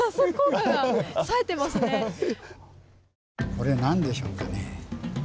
これ何でしょうかね？